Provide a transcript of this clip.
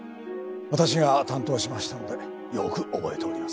私が担当しましたのでよく覚えております。